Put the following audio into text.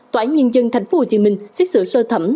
tòa án nhân dân tp hcm xét xử sơ thẩm